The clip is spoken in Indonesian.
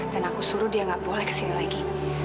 dan aku suruh dia gak boleh kesini lagi